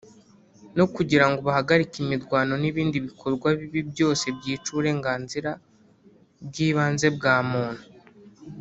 no kugira ngo bahagarike imirwano n’ibindi bikorwa bibi byose byica uburenganzira bw’ibanze bwa muntu